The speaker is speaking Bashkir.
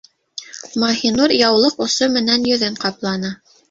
- Маһинур яулыҡ осо менән йөҙөн ҡапланы.